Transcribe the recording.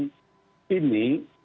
kita akan agendakan